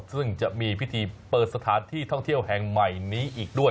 ซึ่งจะมีพิธีเปิดสถานที่ท่องเที่ยวแห่งใหม่นี้อีกด้วย